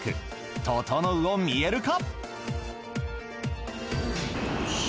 「ととのう」を見える化。